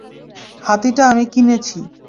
হাতিটা আমি কিনেছি।